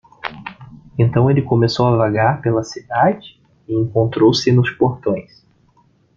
Então ele começou a vagar pela cidade? e encontrou-se nos portões.